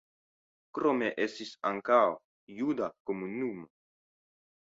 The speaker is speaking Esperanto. Krome estis ankaŭ juda komunumo.